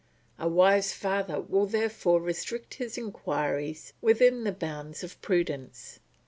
A wise father will therefore restrict his inquiries within the bounds of prudence.